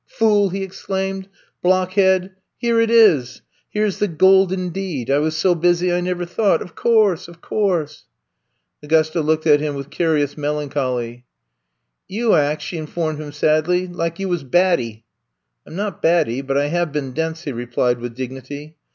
FoolI'' he exclaimed. Blockhead I Here it is. Here 's the Golden Deed ! I was so busy I never thought. Of course; of course !'' 'Gusta looked at him with curious melan choly. You ak," she informed him sadly, *4ak you was batty.'* I *m not batty, but I have been dense,'* he replied, with dignity.